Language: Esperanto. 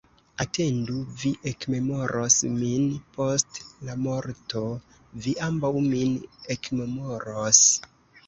Atendu, vi ekmemoros min post la morto, vi ambaŭ min ekmemoros!